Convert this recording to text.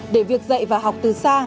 để việc dạy và học từ xa